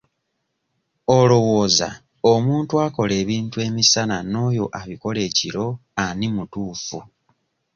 Olowooza omuntu akola ebintu emisana n'oyo abikola ekiro ani mutuufu?